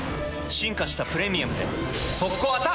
進化した「プレミアム」で速攻アタック！